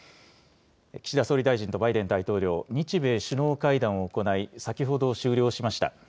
岸田総理大臣とバイデン大統領、日米首脳会談を行い、先ほど、終了しました。